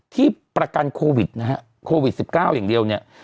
ที่ประกันโควิดนะฮะโควิด๑๙อย่างเดียวเนี่ย